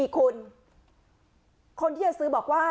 ๔คนคนที่จะซื้อบอกว่า